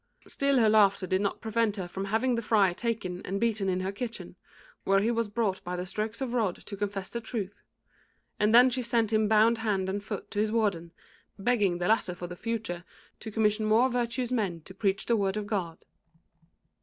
Still her laughter did not prevent her from having the friar taken and beaten in her kitchen, where he was brought by the strokes of the rod to confess the truth; and then she sent him bound hand and foot to his Warden, begging the latter for the future to commission more virtuous men to preach the Word of God.